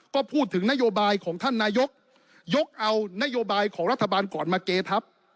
ก็พูดถึงนโยบายของท่านนายกยกเอานโยบายของรัฐบาลก่อนมาเกทับ